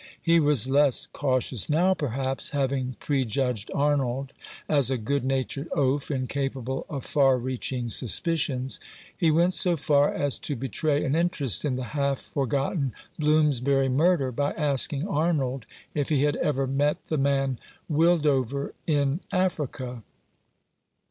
He was less cautious now, perhaps, having pre judged Arnold as a good natured oaf, incapable of far reaching suspicions. He went so far as to betray an interest in the half forgotten Bloomsbury murder by asking Arnold if he had ever met the man Wildover in Africa.